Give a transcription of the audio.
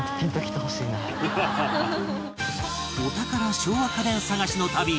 お宝昭和家電探しの旅